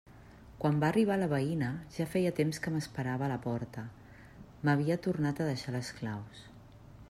Quan va arribar la veïna, ja feia temps que m'esperava a la porta: m'havia tornat a deixar les claus.